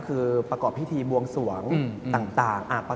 แขกเบอร์ใหญ่ของผมในวันนี้